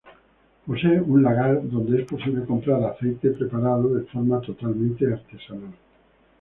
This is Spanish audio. Posee un lagar, donde es posible comprar aceite preparado de forma totalmente artesanal.